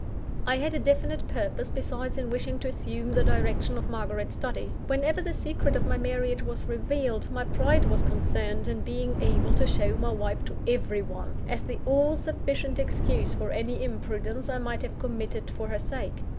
I had a definite purpose, besides, in wishing to assume the direction of Margaret's studies. Whenever the secret of my marriage was revealed, my pride was concerned in being able to show my wife to every one, as the all sufficient excuse for any imprudence I might have committed for her sake.